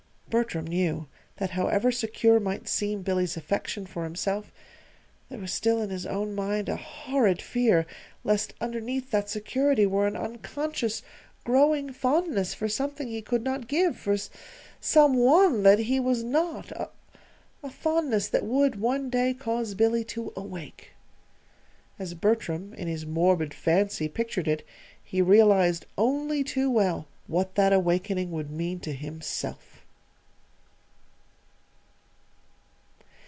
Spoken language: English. Bertram knew that however secure might seem Billy's affection for himself, there was still in his own mind a horrid fear lest underneath that security were an unconscious, growing fondness for something he could not give, for some one that he was not a fondness that would one day cause Billy to awake. As Bertram, in his morbid fancy pictured it, he realized only too well what that awakening would mean to himself.